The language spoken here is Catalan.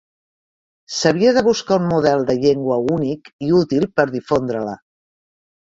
S'havia de buscar un model de llengua únic i útil per difondre-la.